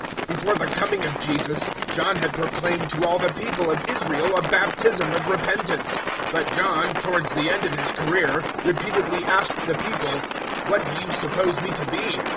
013:024 Before the coming of Jesus, John had proclaimed to all the people of Israel a baptism of repentance. 013:025 But John, towards the end of his career, repeatedly asked the people, "`What do you suppose me to be?